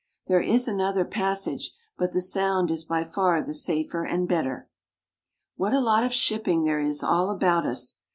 There is another passage, but the sound is by far the safer and better. What a lot of shipping there is all about us!